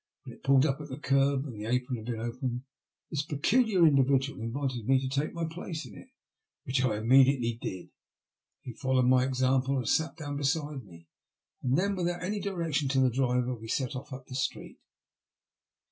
When it pulled up at the kerb, and the apron had been opened, this peculiar individual invited me to take my place in it, which I immediately did. He followed my example, and sat down beside me, and then, without any direction to the driver, we set off up the street.